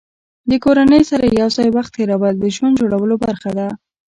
د کورنۍ سره یو ځای وخت تېرول د ژوند جوړولو برخه ده.